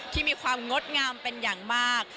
ที่มีความงดงามเป็นอย่างมาก